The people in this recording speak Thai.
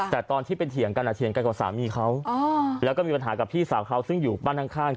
แต่ตอนที่เป็นเถียงกันเถียงกันกับสามีเขาแล้วก็มีปัญหากับพี่สาวเขาซึ่งอยู่บ้านข้าง